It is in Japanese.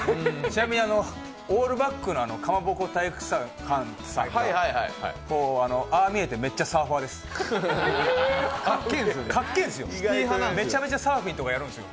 ちなみにオールバックのかまぼこ体育館さんはああ見えてめっちゃサーファーです。